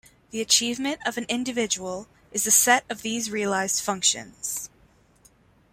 The Achievement of an individual is the set of these realized Functions.